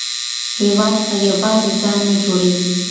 هېواد په یوازې ځان نه جوړیږي.